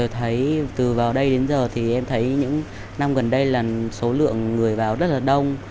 thấy từ vào đây đến giờ thì em thấy những năm gần đây là số lượng người vào rất là đông